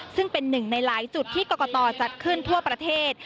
ซึ่งเป็นหนึ่งในหลายจุดที่กรกตจัดขึ้นทั่วประเทศ